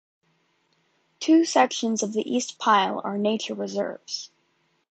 Two sections of the East Pyl are nature reserves.